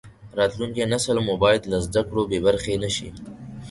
راتلونکی نسل مو باید له زده کړو بې برخې نشي.